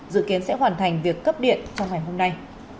dự kiến sẽ hoàn thành việc cấp điện trong ngày hôm nay